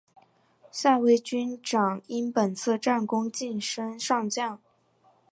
夏威军长因本次战功晋升上将。